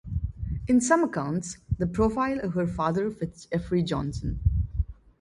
In some accounts the profile of her father fits Eaffrey Johnson.